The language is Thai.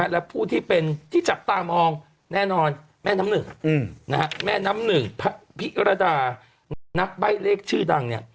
และผู้ที่จับตามองแม่น้ำหนึ่งพิรดานักใบ้เลขชื่อดัง